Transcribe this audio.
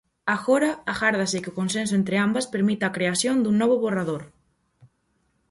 Agora, agárdase que o consenso entre ambas permita a creación dun novo borrador.